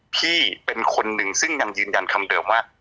พี่เป็นคนหนึ่งซึ่งยังยืนยันคำเดิมว่า